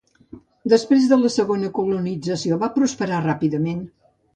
Després de la segona colonització va prosperar ràpidament.